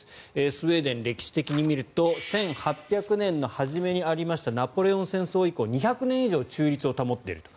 スウェーデン、歴史的に見ると１８００年代の初めにあったナポレオン戦争以降２００年以上中立を保っていると。